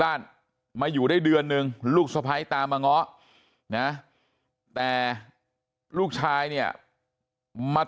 บ้านมาอยู่ได้เดือนนึงลูกสะพ้ายตามมาง้อนะแต่ลูกชายเนี่ยมา